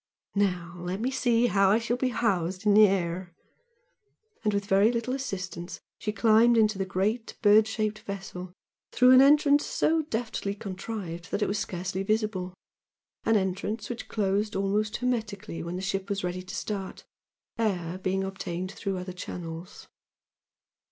"Now let me see how I shall be housed in air!" and with very little assistance she climbed into the great bird shaped vessel through an entrance so deftly contrived that it was scarcely visible, an entrance which closed almost hermetically when the ship was ready to start, air being obtained through other channels.